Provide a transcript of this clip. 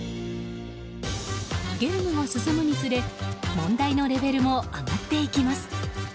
ゲームが進むにつれ問題のレベルも上がっていきます。